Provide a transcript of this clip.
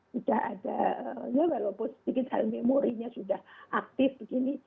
sudah ada ya walaupun sedikit hal memorinya sudah aktif begini